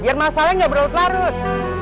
biar masalahnya nggak berlarut larut